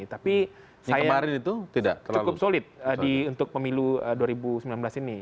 tapi saya cukup solid untuk pemilu dua ribu sembilan belas ini